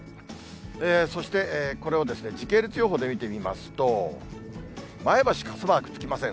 そして、これをですね、時系列予報で見てみますと、前橋、傘マークつきません。